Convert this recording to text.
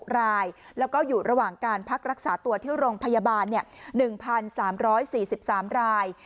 ๖รายแล้วก็อยู่ระหว่างการพักรักษาตัวที่โรงพยาบาล๑๓๔๓ราย